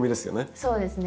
そうですね。